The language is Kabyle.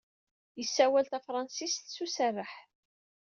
Yessawal tafṛansit s userreḥ.